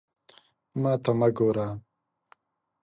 ما ته مه ګوره!